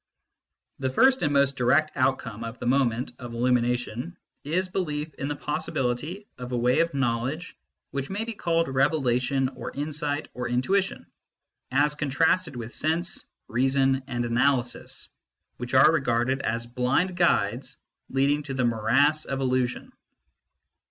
The first and most direct outcome of the moment of illumination is belief in the possibility of a way of know ledge which may be called revelation or insight or in tuition, as contrasted with sense, reason, and analysis, which are regarded as blind guides leading to the morass of illusion.